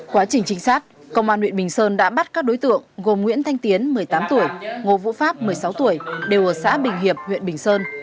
quá trình trinh sát công an huyện bình sơn đã bắt các đối tượng gồm nguyễn thanh tiến một mươi tám tuổi ngô vũ pháp một mươi sáu tuổi đều ở xã bình hiệp huyện bình sơn